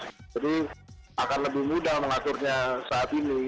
jadi akan lebih mudah mengaturnya saat ini